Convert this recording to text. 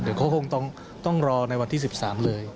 เดี๋ยวเขาคงต้องรอในวันที่๑๓เลย